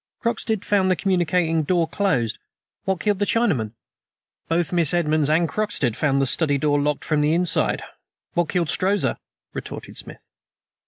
"Croxted found the communicating door closed. What killed the Chinaman?" "Both Miss Edmonds and Croxted found the study door locked from the inside. What killed Strozza?" retorted Smith.